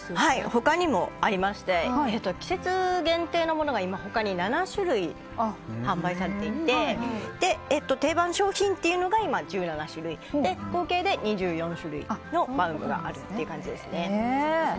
他にもありまして今、他に７種類販売されていて定番商品というのは１７種類で合計で２４種類のバウムがあるという感じですね。